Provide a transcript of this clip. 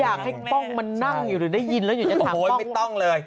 อยากให้ป้องมานั่งอยู่หรือได้ยินแล้วอยู่ใจถามป้อง